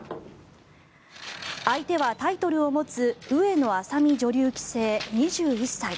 相手はタイトルを持つ上野愛咲美女流棋聖、２１歳。